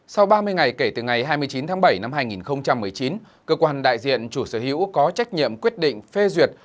sau ba mươi ngày kể từ ngày hai mươi chín tháng bảy năm hai nghìn một mươi chín cơ quan đại diện chủ sở hữu có trách nhiệm quyết định phê duyệt